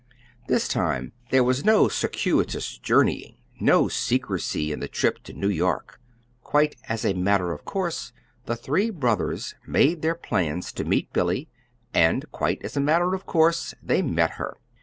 This time there was no circuitous journeying, no secrecy in the trip to New York. Quite as a matter of course the three brother made their plans to meet Billy, and quite as a matter of course they met her.